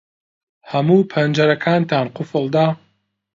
ھەموو پەنجەرەکانتان قوفڵ دا؟